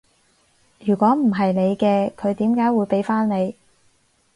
如果唔係你嘅，佢點解會畀返你？